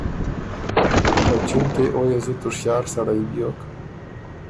خه چونکې او يې زُت هوشیار سړئ بیوک